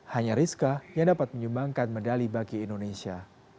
hanya rizka yang dapat menyumbangkan medali bagi indonesia